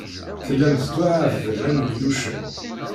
Tellam tettwaɛebdem am yiyucen.